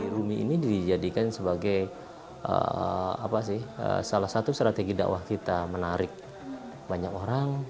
rumi ini dijadikan sebagai salah satu strategi dakwah kita menarik banyak orang